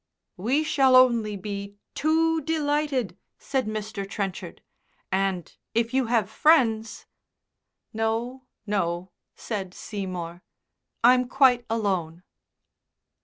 "We shall only be too delighted," said Mr. Trenchard. "And if you have friends ..." "No, no," said Seymour, "I'm quite alone."